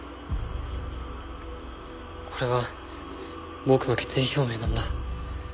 これは僕の決意表明なんだ。